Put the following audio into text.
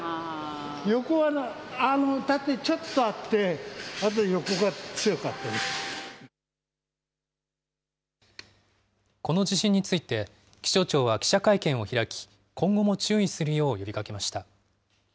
横はね、縦ちょっとあって、あとこの地震について、気象庁は記者会見を開き、今後も注意するよう呼びかけました。